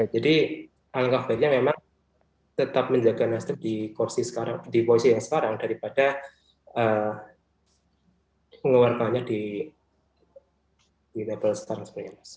jadi angka belakangnya memang tetap menjaga nasdem di kursi sekarang di posisi yang sekarang daripada mengeluarkannya di level sekarang sebenarnya mas